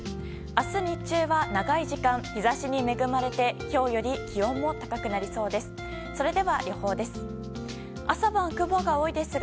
明日日中は長い時間日差しに恵まれて今日より気温も高くなりそうです。